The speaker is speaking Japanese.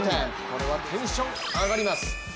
これはテンション上がります。